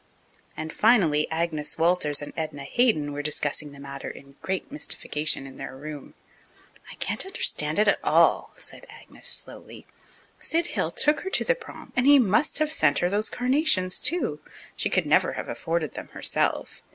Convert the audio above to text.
And, finally, Agnes Walters and Edna Hayden were discussing the matter in great mystification in their room. "I can't understand it at all," said Agnes slowly. "Sid Hill took her to the prom and he must have sent her those carnations too. She could never have afforded them herself.